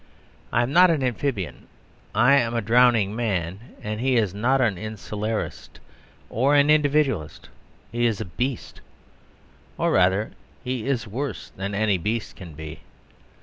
I am not an amphibian. I am a drowning man. He is not an insularist, or an individualist. He is a beast. Or rather, he is worse than any beast can be.